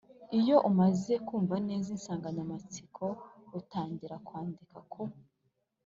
Iyo umaze kumva neza insanganyamatsiko, utangira kwandika ku